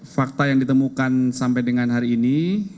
fakta yang ditemukan sampai dengan hari ini